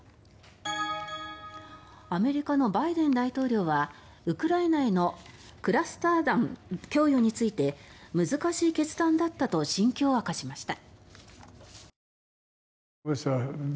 アメリカのバイデン大統領はウクライナへのクラスター弾供与について難しい決断だったと心境を明かしました。